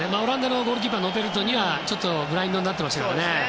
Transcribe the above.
ゴールキーパーのノペルトにはちょっとブラインドになっていましたからね。